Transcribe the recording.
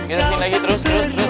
geser sini lagi terus